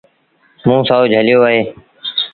موݩ سهو جھليو اهي۔